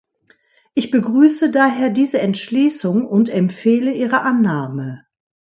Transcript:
Ich begrüße daher diese Entschließung und empfehle ihre Annahme.